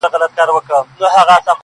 • لاس دي راکه چي مشکل دي کړم آسانه -